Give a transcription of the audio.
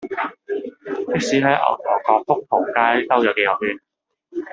的士喺牛頭角福淘街兜左幾個圈